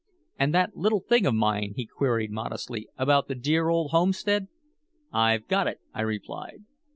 "And that little thing of mine," he queried modestly, "about the dear old homestead." "I've got it," I replied.